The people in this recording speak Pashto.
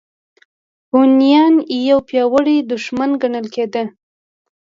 هونیان یو پیاوړی دښمن ګڼل کېده.